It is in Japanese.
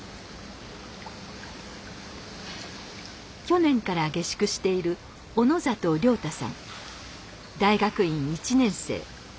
去年から下宿している大学院１年生。